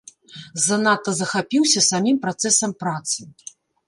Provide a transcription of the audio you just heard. Занадта захапіўся самім працэсам працы.